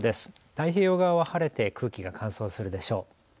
太平洋側は晴れて空気が乾燥するでしょう。